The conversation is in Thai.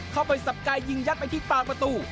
เข้าไปสับกายยิงยัดไปที่ปากประตู